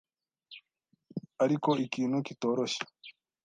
ariko "ikintu kitoroshe